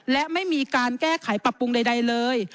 และไม่มีการแก้ไขปรับปรุงใดเลย